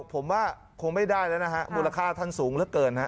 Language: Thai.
ผมว่าคงไม่ได้แล้วนะฮะมูลค่าทันสูงเกินนะฮะ